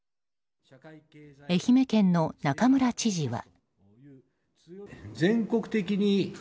愛媛県の中村知事は。